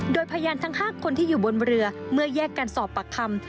โดยพยานทั้ง๕คนที่อยู่บนเรือเมื่อแยกกันสอบปากคำ